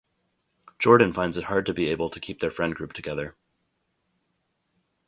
Jordan finds it hard to be able to keep their friend group together.